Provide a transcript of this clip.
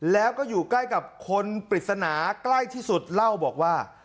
แล้วก็อยู่ใกล้กับคนปริศนาใกล้ที่สุดเล่าบอกว่า